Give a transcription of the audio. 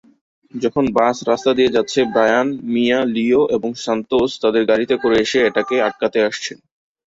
যখন বাস রাস্তা দিয়ে যাচ্ছে, ব্রায়ান, মিয়া, লিও এবং সান্তোস তাদের গাড়িতে করে এসে এটাকে আটকাতে আসছেন।